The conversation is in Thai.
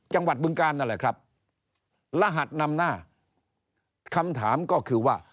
บึงกาลนั่นแหละครับรหัสนำหน้าคำถามก็คือว่า